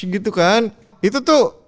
gitu kan itu tuh